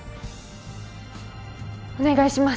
お願いします